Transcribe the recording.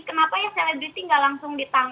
kenapa ya selebriti nggak langsung ditangkap